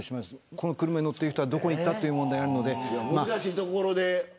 この車に乗っている人はどこに行ったという問題が難しいところ。